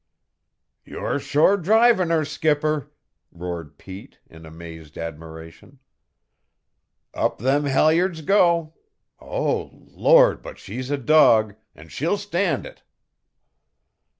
"You're sure drivin' her, skipper!" roared Pete in amazed admiration. "Up them halyards go. Oh, Lord, but she's a dog, an' she'll stand it."